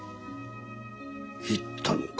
言ったのか。